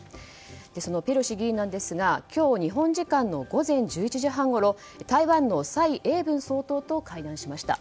そのペロシ議員ですが今日日本時間の午前１１時半ごろ台湾の蔡英文総統と会談しました。